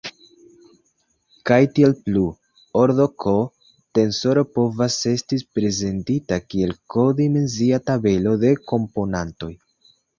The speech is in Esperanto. Kaj tiel plu: ordo-"k" tensoro povas esti prezentita kiel "k"-dimensia tabelo de komponantoj.